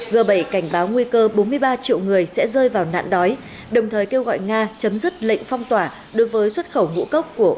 g bảy cảnh báo nguy cơ bốn mươi ba triệu người sẽ rơi vào nạn đói đồng thời kêu gọi nga chấm dứt lệnh phong tỏa đối với xuất khẩu ngũ cốc của